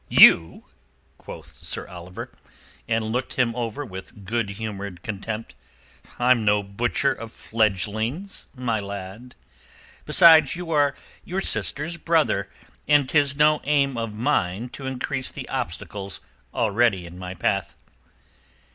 "You?" quoth Sir Oliver, and looked him over with good humoured contempt. "I'm no butcher of fledgelings, my lad. Besides, you are your sister's brother, and 'tis no aim of mine to increase the obstacles already in my path."